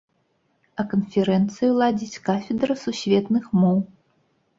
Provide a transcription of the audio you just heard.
А канферэнцыю ладзіць кафедра сусветных моў.